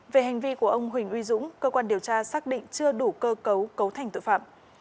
về hành vi của ông huỳnh uy dũng cơ quan điều tra xác định chưa đủ cơ cấu cấu thành tội phạm